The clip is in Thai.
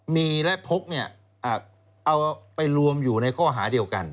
มีและพกเนี่ยเอาไปรวมอยู่ในข้อหาเดียวกัน